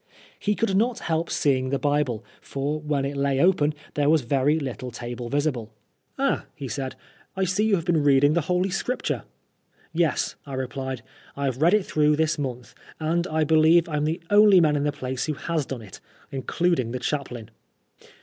He could not help seeing the Bible, for when it lay open there was very little table visible. " Ah," he said, "I see you m reading the holy 136 PRISONER FOR BLASPHEMY. Scriptnre." "Yes," I replied, "Tve read it through this month, and I believe I*m the only man in the place who has done it — including the chaplain."